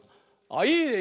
あっいいね。